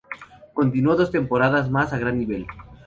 Continuó dos temporadas más a gran nivel.